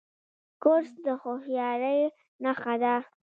کورس د هوښیارۍ نښه ده.